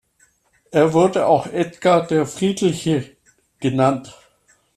Er wurde auch "Edgar der Friedliche" genannt.